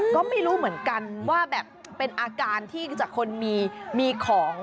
ก็ไม่รู้เหมือนกันว่าแบบเป็นอาการที่จากคนมีของ